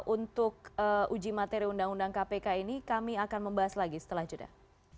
untuk uji materi undang undang kpk ini kami akan membahas lagi setelah jeda